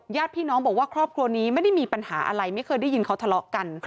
ญาติพี่น้องบอกว่าครอบครัวนี้ไม่ได้มีปัญหาอะไรไม่เคยได้ยินเขาทะเลาะกัน